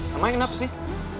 namanya kenapa sih